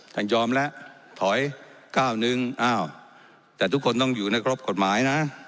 ยอมแล้วถอยก้าวหนึ่งอ้าวแต่ทุกคนต้องอยู่ในครบกฎหมายนะ